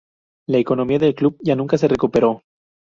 La economía del club ya nunca se recuperó.